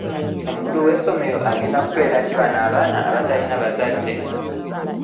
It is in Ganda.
Omukulu w'esomero agenda kukolera ki bano abaana abatalina bazadde.